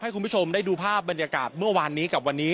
คุณผู้ชมได้ดูภาพบรรยากาศเมื่อวานนี้กับวันนี้